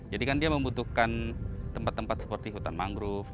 jadi kan dia membutuhkan tempat tempat seperti hutan mangrove